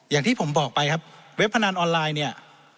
อย่างที่ผมบอกไปครับเว็บพนันออนไลน์เนี่ย